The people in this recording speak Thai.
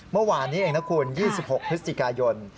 เมื่อวานนี้เองนะคุณ๒๖พฤศจิกายน